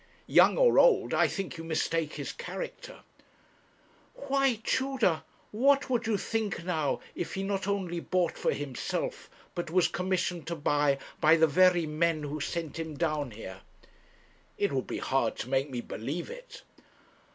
'Young or old, I think you mistake his character.' 'Why, Tudor, what would you think now if he not only bought for himself, but was commissioned to buy by the very men who sent him down here?' 'It would be hard to make me believe it.'